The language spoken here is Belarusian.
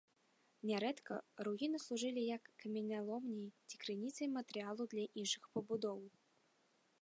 Нярэдка руіны служылі як каменяломня ці крыніца матэрыялу для іншых пабудоў.